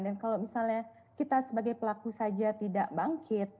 dan kalau misalnya kita sebagai pelaku saja tidak bangkit